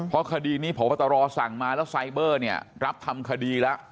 เพราะคดีนี้พบตรสั่งมาแล้วไซเบอร์เนี่ยรับทำคดีแล้ว